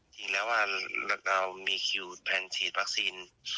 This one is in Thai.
จริงแล้วเรามีคิวแทนฉีดวัคซีน